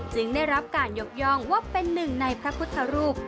ได้รับการยกย่องว่าเป็นหนึ่งในพระพุทธรูป